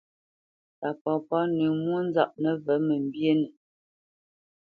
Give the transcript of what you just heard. Pa papá nǝ̂ǝ̂ mwónzaʼ nǝvǝ̂ mǝmbyénǝ.